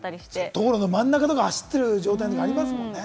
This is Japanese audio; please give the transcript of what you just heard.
道路の真ん中とか走ってる状態の時ありますもんね。